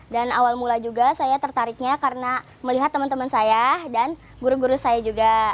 dan awal mula juga saya tertariknya karena melihat teman teman saya dan guru guru saya juga